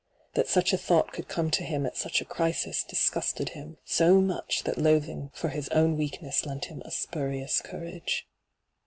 That such a thought could come to him at such a crisis disgusted him so much that loathing for his own weakness lent him a spurious courage.